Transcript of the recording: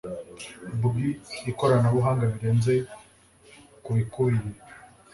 bw ikoranabuhanga birenze ku bikubiye